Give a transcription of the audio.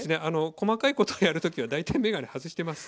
細かいことやるときは大体眼鏡外してます。